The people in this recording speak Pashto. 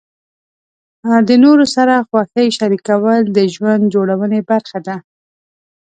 د نورو سره خوښۍ شریکول د ژوند جوړونې برخه ده.